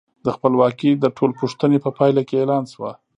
دا خپلواکي د ټول پوښتنې په پایله کې اعلان شوه.